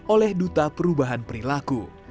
oleh duta perubahan perilaku